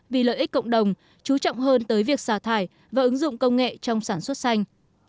vì lợi ích cộng đồng chú trọng hơn tới việc xả thải và ứng dụng công nghệ trong sản xuất xanh